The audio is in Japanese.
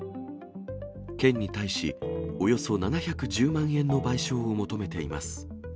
県に対し、およそ７１０万円の賠償を求めています。